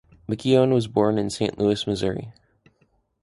McKeon was born in Saint Louis, Missouri.